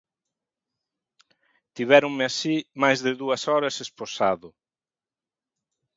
Tivéronme así máis de dúas horas esposado.